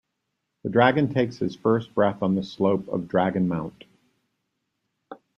The Dragon takes his first breath on the slope of Dragonmount!